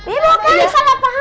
eh mbak mbak mbak mbak